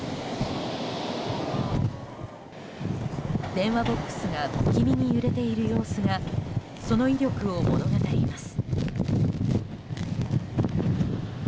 電話ボックスが不気味に揺れている様子がその威力を物語ります。